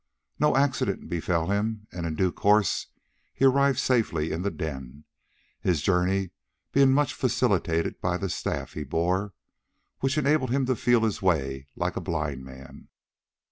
No accident befell him, and in due course he arrived safely in the den, his journey being much facilitated by the staff he bore, which enabled him to feel his way like a blind man.